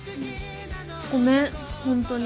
ごめん本当に。